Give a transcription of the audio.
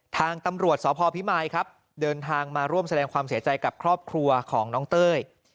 ทางตำรวจสพพิมายครับเดินทางมาร่วมแสดงความเสียใจกับครอบครัวของน้องเต้ย